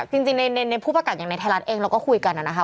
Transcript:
จริงจริงในนีในผู้ประกัดอย่างในรัฐเองเราก็คุยกันน่ะนะคะ